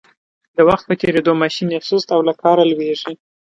د وخت په تېرېدو ماشین یې سست او له کاره لویږي.